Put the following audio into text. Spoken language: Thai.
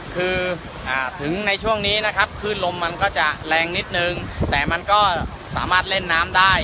คือถึงในช่วงนี้นะครับขึ้นลมมันก็จะแรงนิดนึงแต่มันก็สามารถเล่นน้ำได้